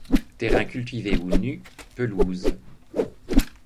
Terrains cultivés ou nus, pelouses.